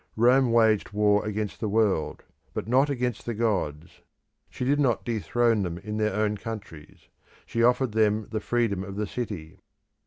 Rome waged war against the world, but not against the gods; she did not dethrone them in their own countries; she offered them the freedom of the city.